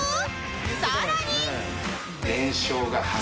さらに！